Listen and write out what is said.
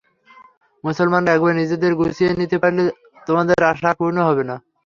মুসলমানরা একবার নিজেদেরকে গুছিয়ে নিতে পারলে তোমাদের আশা আর পূর্ণ হবে না।